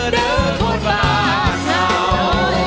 เดินคนบ้านเข้า